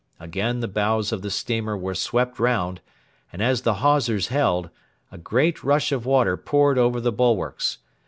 Again the bows of the steamer were swept round, and, as the hawsers held, a great rush of water poured over the bulwarks.